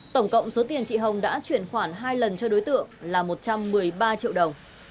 tổng cộng số tiền chị hồng đã chuyển khoản hai lần cho đối tượng là một trăm một mươi ba triệu đồng